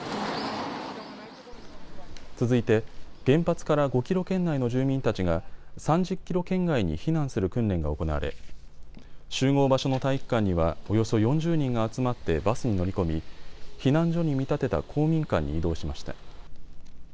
続いて原発から５キロ圏内の住民たちが３０キロ圏外に避難する訓練が行われ集合場所の体育館にはおよそ４０人が集まってバスに乗り込み、避難所に見立てた公民館に移動しました。